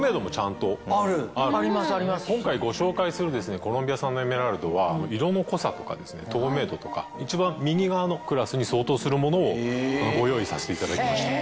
今回ご紹介するコロンビア産のエメラルドは色の濃さとか透明度とか一番右側のクラスに相当するものをご用意させていただきました。